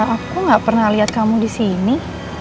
aku gak pernah lihat kamu di sini